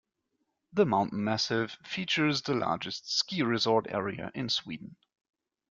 The mountain massif features the largest ski resort area in Sweden.